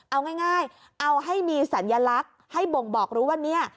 เอาง่ายเอาให้มีสัญลักษณ์ให้บ่งบอกรู้ว่าเนี่ย